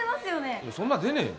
いやそんな出ねえよ